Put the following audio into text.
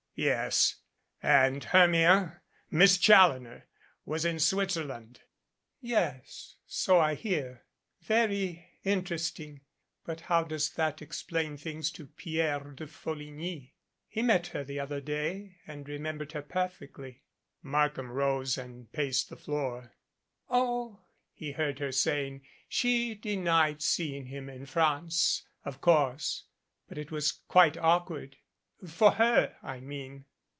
"Yes. And Hermia Miss Challoner was in Switzer land." "Yes. So I hear. Very interesting. But how does that explain things to Pierre de Folligny? He met her the other day and remembered her perfectly " Markham rose and paced the floor. "Oh," he heard her saying, "she denied seeing him in France, of course, but it was quite awkward for her, I mean."